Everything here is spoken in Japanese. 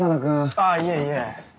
あっいえいえ。